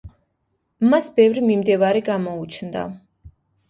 მას ბევრი მიმდევარი გამოუჩნდა.